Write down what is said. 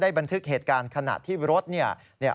บันทึกเหตุการณ์ขณะที่รถเนี่ย